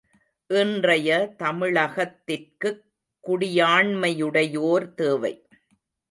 இன்றைய தமிழகத்திற்குக் குடியாண்மையுடையோர் தேவை.